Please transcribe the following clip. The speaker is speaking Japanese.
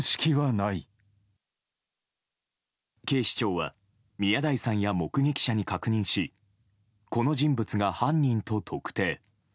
警視庁は宮台さんや目撃者に確認しこの人物が犯人と特定。